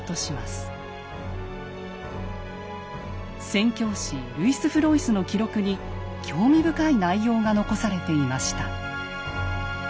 宣教師ルイス・フロイスの記録に興味深い内容が残されていました。